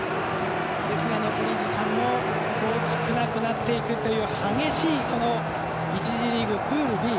ですが残り時間も少なくなっていくという激しい、この１次リーグプールＢ。